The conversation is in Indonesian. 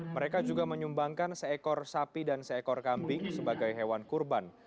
mereka juga menyumbangkan seekor sapi dan seekor kambing sebagai hewan kurban